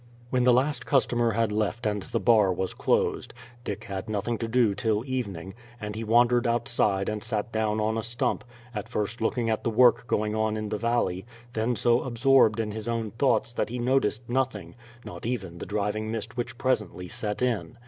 When the last customer had left and the bar was closed, Dick had nothing to do till evening, and he wandered outside and sat down on a stump, at first looking at the work going on in the valley, then so absorbed in his own thoughts that he noticed nothing, not even the driving mist which presently set in.